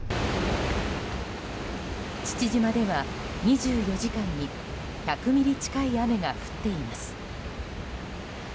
父島では２４時間に１００ミリ近い雨が降っています。